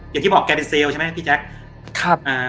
อย่างที่บอกแกเป็นเซลล์ใช่ไหมพี่แจ๊ค